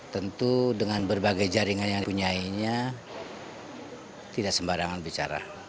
tentu dengan berbagai jaringan yang dipunyainya tidak sembarangan bicara